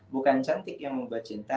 bukan cantik yang membuat cinta